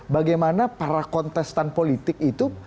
bagaimana para kontestan politik itu